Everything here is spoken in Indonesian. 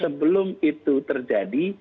sebelum itu terjadi